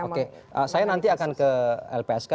oke saya nanti akan ke lpsk